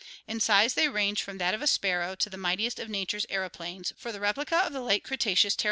In size they range from that of a sparrow to the mightiest of nature's aeroplanes, for the replica of the late Cretaceous Pterano Fig.